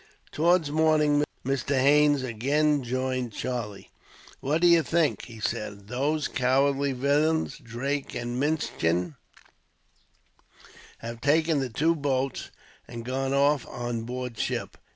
Towards morning, Mr. Haines again joined Charlie. "What do you think?" he said. "Those cowardly villains, Drake and Minchin, have taken the two boats, and gone off on board ship!"